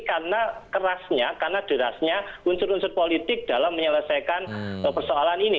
karena kerasnya karena derasnya unsur unsur politik dalam menyelesaikan persoalan ini